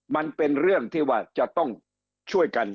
มันเป็นเรื่องที่ว่าจะต้องช่วยกัน